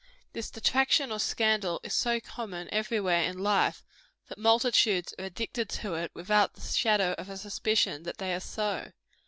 This detraction or scandal is so common every where in life, that multitudes are addicted to it without the shadow of a suspicion that they are so.